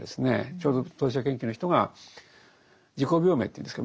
ちょうど当事者研究の人が自己病名というんですけどもね